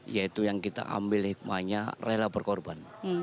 yaitu yang kita ambil hikmahnya rela berkorban